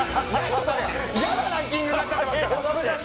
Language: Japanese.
ちょっとね嫌なランキングになっちゃってますから！